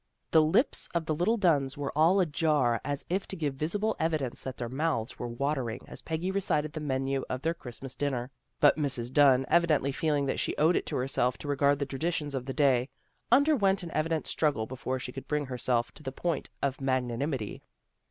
The lips of the little Dunns were all ajar as if to give visible evidence that their mouths were watering, as Peggy recited the menu of their Christmas dinner, but Mrs. Dunn, evi dently feeling that she owed it to herself to regard the traditions of the day, underwent an evident struggle before she could bring herself to the point of magnanimity.